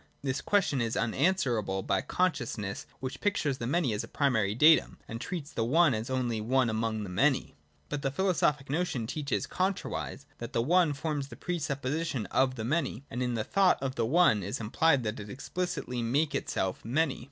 This question is un answerable by the consciousness which pictures the Many as a primary datum, and treats the One as only one among the Many. But the philosophic notion teaches, contrariwise, that the One forms the pre supposition of the Many : and in the thought of the One is implied that it explicitly make itself Many.